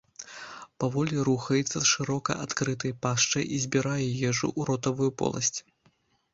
Паволі рухаецца з шырока адкрытай пашчай і збірае ежу ў ротавую поласць.